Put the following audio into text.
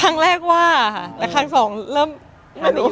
ครั้งแรกว่าแต่ครั้งสองเริ่มนะลูก